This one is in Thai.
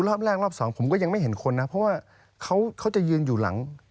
รอบแรกรอบสองผมก็ยังไม่เห็นคนนะเพราะว่าเขาจะยืนอยู่หลัง